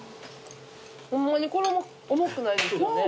ホンマに衣重くないですよね。